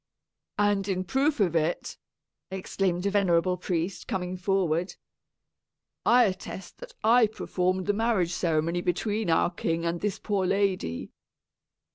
"And in proof of it," exclaimed a venerable priest, coming forward, "I attest that I performed the marriage ceremony between our king and this poor lady.